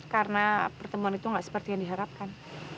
karena pertemuan itu gak seperti yang diharapkan